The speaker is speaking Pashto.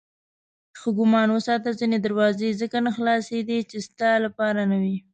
ښه ګمان وساته ځینې دروازې ځکه نه خلاصېدې چې ستا لپاره نه وې.